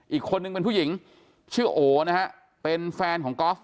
อีกคนนึงเป็นผู้หญิงชื่อโอนะฮะเป็นแฟนของกอล์ฟ